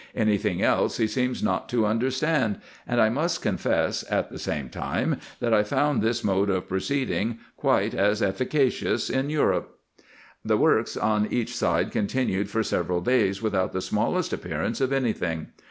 Any thing else he seems not to understand. IN EGYPT, NUBIA, &c. 26 1 I must confess, at the same time, that I found this mode of proceed ing quite as efficacious in Europe. The works on each side continued for several days without the smallest appearance of any thing.